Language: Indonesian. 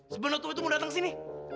sebenarnya tuh mau datang kesini